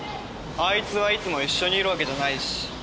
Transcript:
あいつはいつも一緒にいるわけじゃないし。